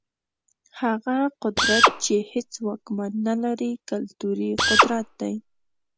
هغه قدرت چي هيڅ واکمن نلري، کلتوري قدرت دی.